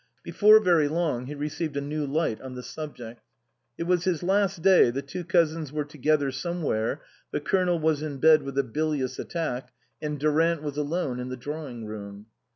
Before very long he received a new light on the subject. It was his last day, the two cousins were together somewhere, the Colonel was in bed with a bilious attack, and Durant was alone in the drawing room.